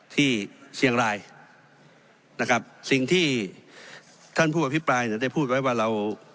ที่เชียงรายนะครับสิ่งที่ท่านผู้อภิปรายเนี่ยได้พูดไว้ว่าเรา